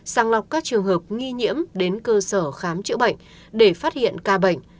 sàng lọc các trường hợp nghi nhiễm đến cơ sở khám chữa bệnh để phát hiện ca bệnh